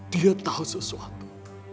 dia tahu sesuatu